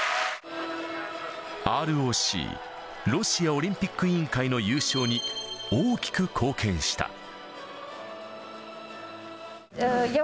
ＲＯＣ・ロシアオリンピック委員会の優勝に大きく貢献した。